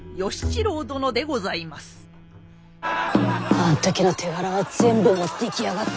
あん時の手柄は全部持っていきやがった。